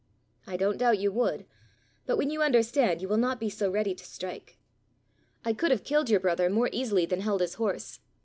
"I don't doubt you would. But when you understand, you will not be so ready to strike. I could have killed your brother more easily than held his horse.